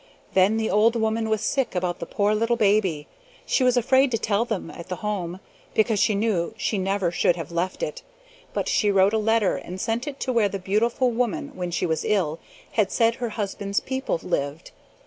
"Then the old woman was sick about that poor little baby. She was afraid to tell them at the Home, because she knew she never should have left it, but she wrote a letter and sent it to where the beautiful woman, when she was ill, had said her husband's people lived.